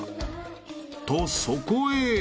［とそこへ］